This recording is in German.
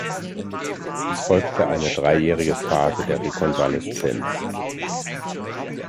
Es folgte eine dreijährige Phase der Rekonvaleszenz.